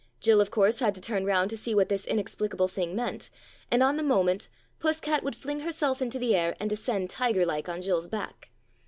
Jill, of course, had to turn round to see what this inexplicable thing meant, and on the moment Puss cat would fling herself into the air and descend tiger like on Jill's back.